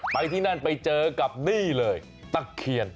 ไปที่นั่นไปเจอกับนี่เลยตะเคียน